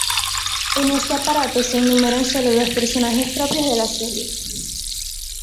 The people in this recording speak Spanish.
En este apartado se enumeran solo los personajes propios de la serie.